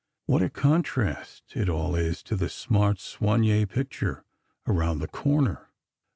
What a contrast it all is to the smart soigné picture around the corner!